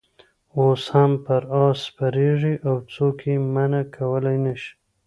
اوس هم پر آس سپرېږي او څوک یې منع کولای نه شي.